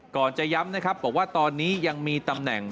จะย้ำนะครับบอกว่าตอนนี้ยังมีตำแหน่ง